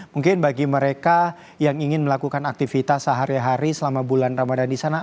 mungkin bagi mereka yang ingin melakukan aktivitas sehari hari selama bulan ramadan di sana